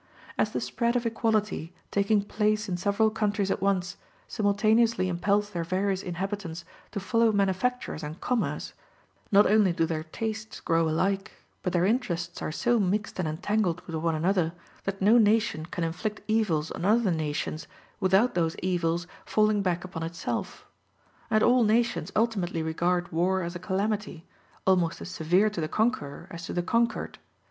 As the spread of equality, taking place in several countries at once, simultaneously impels their various inhabitants to follow manufactures and commerce, not only do their tastes grow alike, but their interests are so mixed and entangled with one another that no nation can inflict evils on other nations without those evils falling back upon itself; and all nations ultimately regard war as a calamity, almost as severe to the conqueror as to the conquered.